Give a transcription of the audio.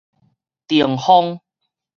鄭風